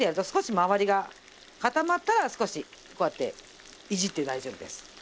少し周りが固まったら少しこうやっていじって大丈夫です。